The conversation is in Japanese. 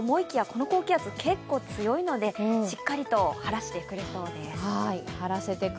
この高気圧、結構強いのでしっかりと晴らしてくれそうです。